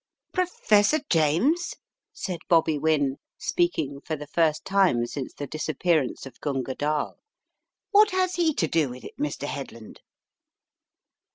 "Professor James?" said Bobby Wynne, speaking for the first time since the disappearance of Gunga Dall. " What has he to do with it, Mr. Headland?